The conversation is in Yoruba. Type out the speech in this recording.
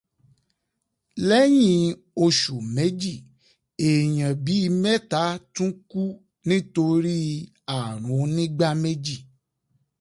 Lẹ́yìn oṣù méjì, èèyàn bíi mẹ́ta tún kú nítorí àrùn onígbá méjì